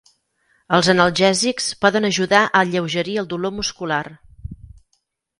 Els analgèsics poden ajudar a alleugerir el dolor muscular.